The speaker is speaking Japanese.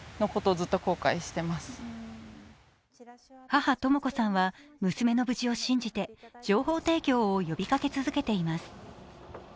母・とも子さんは娘の無事を信じて情報提供を呼びかけ続けています。